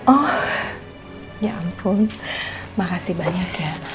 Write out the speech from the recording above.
oh ya ampun makasih banyak ya